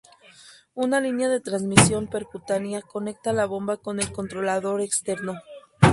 Una línea de transmisión percutánea conecta la bomba con el controlador externo.